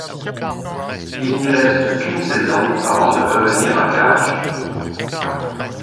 Il n'y reste qu'une saison avant de revenir à Garges.